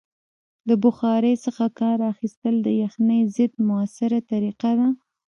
د بخارۍ څخه کار اخیستل د یخنۍ ضد مؤثره طریقه ده.